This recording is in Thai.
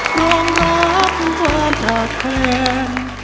ร่วงรับเพลงเพิ่มจัดแทน